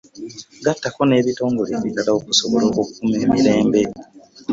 Gattako n'ebitongole ebirala okusobola okukuuma emirembe.